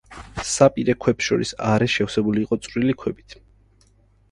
საპირე ქვებს შორის არე შევსებული იყო წვრილი ქვებით.